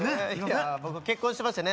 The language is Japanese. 僕結婚しましてね